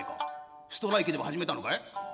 ストライキでも始めたのかい？